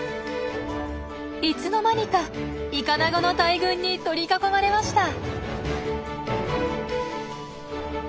いつの間にかイカナゴの大群に取り囲まれました。